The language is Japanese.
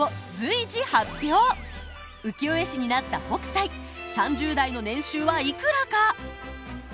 浮世絵師になった北斎３０代の年収はいくらか？